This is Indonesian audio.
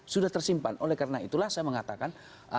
sudah tersimpan oleh karena itulah saya mengatakan